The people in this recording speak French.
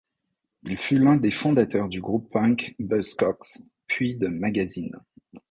Il fut l'un des fondateurs du groupe punk Buzzcocks, puis de Magazine.